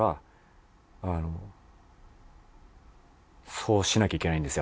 そうしなきゃいけないんですよ